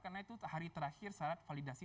karena itu hari terakhir syarat validasi